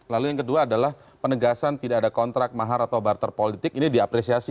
lalu yang kedua adalah penegasan tidak ada kontrak mahar atau barter politik ini diapresiasi